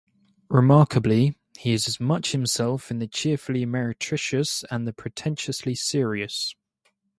Remarkably, he is as much himself in the cheerfully meretricious and the pretentiously serious.